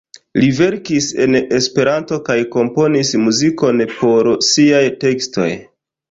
Li verkis en Esperanto kaj komponis muzikon por siaj tekstoj.